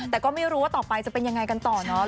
แต่ก็ไม่รู้ว่าต่อไปจะเป็นยังไงกันต่อเนาะ